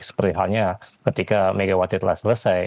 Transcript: seperti halnya ketika megawati telah selesai